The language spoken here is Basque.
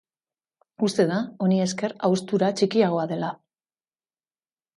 Uste da, honi esker haustura txikiagoa dela.